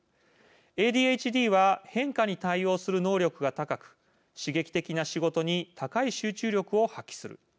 ＡＤＨＤは変化に対応する能力が高く刺激的な仕事に高い集中力を発揮する。